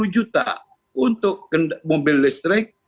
delapan puluh juta untuk mobil listrik